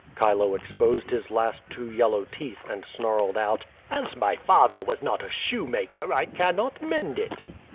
Chilo exposed his last two yellow teeth, and snarled out: "As my father was not a shoemaker, I cannot mend it."